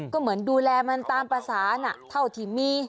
ก็เหมือนดูแลมันตามภาษาน่ะเท่าที่มี